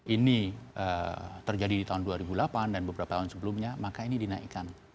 ini terjadi di tahun dua ribu delapan dan beberapa tahun sebelumnya maka ini dinaikkan